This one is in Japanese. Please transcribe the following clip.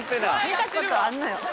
見たことあんのよ。